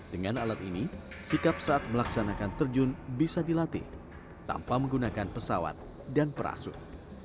dengan alat ini sikap saat melaksanakan terjun bisa dilatih tanpa menggunakan pesawat dan perasun